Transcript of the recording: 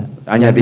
hanya di tubuh